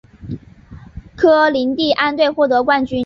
科林蒂安队获得冠军。